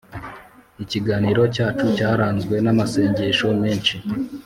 ikiganiro cyacu cyaranzwe n’amasengesho menshi